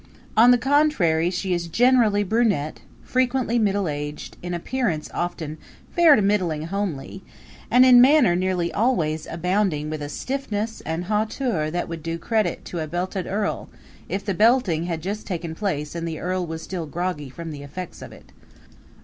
On the contrary she is generally brunette, frequently middle aged, in appearance often fair to middling homely, and in manner nearly always abounding with a stiffness and hauteur that would do credit to a belted earl, if the belting had just taken place and the earl was still groggy from the effects of it.